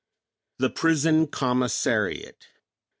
THE PRISON COMMISSARIAT.